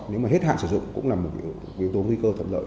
nếu mà hết hạn sử dụng cũng là một yếu tố nguy cơ thuận lợi